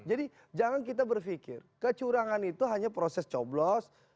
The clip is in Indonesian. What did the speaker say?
jadi jangan kita berfikir kecurangan itu hanya proses coblos